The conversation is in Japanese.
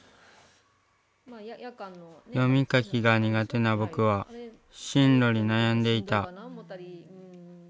読み書きが苦手な僕は進路に悩んでいた。